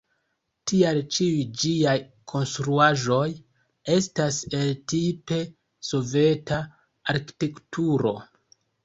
Tial ĉiuj ĝiaj konstruaĵoj estas el tipe soveta arkitekturo.